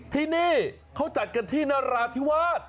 ที่นี่เขาจัดกันที่นราธิวาส